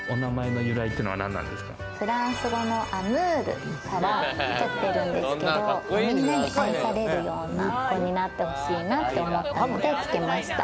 フランス語のアムールから取ってるんですけど、みんなに愛されるような子になって欲しいなって思ったのでつけました。